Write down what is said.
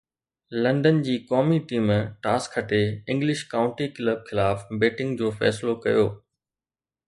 London جي قومي team toss کٽي انگلش ڪائونٽي ڪلب خلاف بيٽنگ جو فيصلو ڪيو